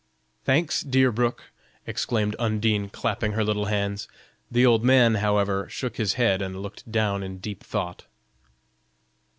"Thanks, dear Brook," exclaimed Undine, clapping her little hands. The old man, however, shook his head and looked down in deep thought.